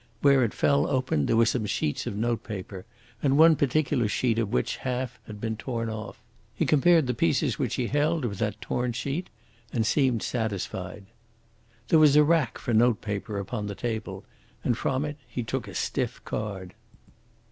Where it fell open there were some sheets of note paper, and one particular sheet of which half had been torn off. He compared the pieces which he held with that torn sheet, and seemed satisfied. There was a rack for note paper upon the table, and from it he took a stiff card.